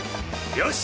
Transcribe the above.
よし！